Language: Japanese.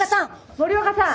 森若さん！